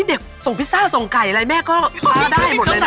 เด็กส่งพิซซ่าส่งไก่อะไรแม่ก็คว้าได้หมดเลยนะ